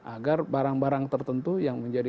agar barang barang tertentu yang menjadi